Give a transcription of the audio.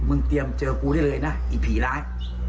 เตรียมเจอกูได้เลยนะไอ้ผีร้าย